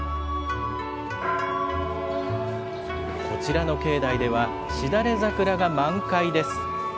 こちらの境内では、しだれ桜が満開です。